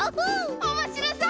おもしろそう！